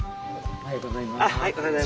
おはようございます。